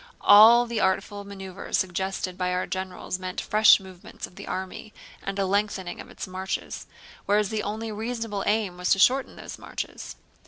All the artful maneuvers suggested by our generals meant fresh movements of the army and a lengthening of its marches, whereas the only reasonable aim was to shorten those marches.